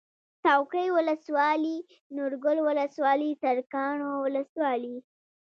څوکۍ ولسوالي نورګل ولسوالي سرکاڼو ولسوالي